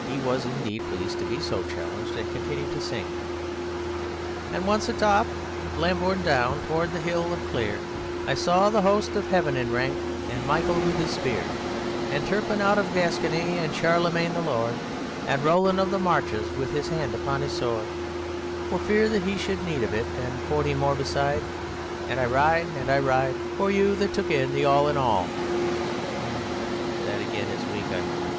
He was indeed pleased to be so challenged, and continued to sing: _And once atop of Lambourne Down, towards the hill of Clere, I saw the host of Heaven in rank and Michael with his spear And Turpin, out of Gascony, and Charlemagne the lord, And Roland of the Marches with his hand upon his sword For fear he should have need of it; and forty more beside! And I ride; and I ride! For you that took the all in all..._ "That again is weak," I murmured.